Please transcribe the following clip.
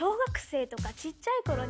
小っちゃい頃に。